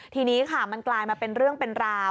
ทีนี้ค่ะมันกลายมาเป็นเรื่องเป็นราว